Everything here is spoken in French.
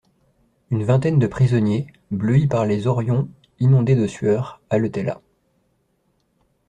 Une vingtaine de prisonniers, bleuis par les horions, inondés de sueur, haletaient là.